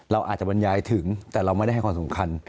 เราอาจจะบรรยายถึงแต่เราไม่ได้ให้ความสำคัญ